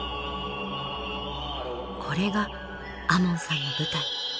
これが亞門さんの舞台。